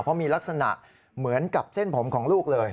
เพราะมีลักษณะเหมือนกับเส้นผมของลูกเลย